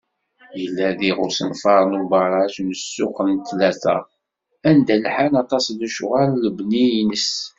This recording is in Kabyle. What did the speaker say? Yella diɣ usenfar n ubaraǧ n Ssuq n Ttlata, anda lḥan aṭas lecɣal n lebni-ines.